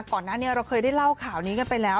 ก่อนหน้านี้เราเคยได้เล่าข่าวนี้กันไปแล้ว